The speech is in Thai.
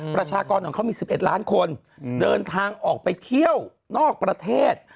ประชากรของเขามี๑๑ล้านคนเดินทางออกไปเที่ยวนอกประเทศ